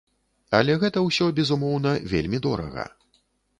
Але гэта ўсё, безумоўна, вельмі дорага.